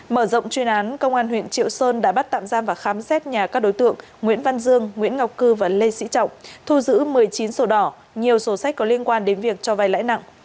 mở rộng chuyên án công an huyện triệu sơn đã bắt tạm giam và khám xét nhà các đối tượng nguyễn văn dương nguyễn ngọc cư và lê sĩ trọng thu giữ một mươi chín sổ đỏ nhiều sổ sách có liên quan đến việc cho vai lãi nặng